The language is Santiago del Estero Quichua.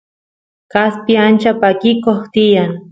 kaspi ancha pakikoq tiyan